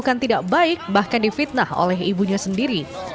bukan tidak baik bahkan difitnah oleh ibunya sendiri